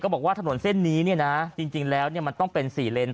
บอกว่าถนนเส้นนี้เนี่ยนะจริงแล้วมันต้องเป็น๔เลน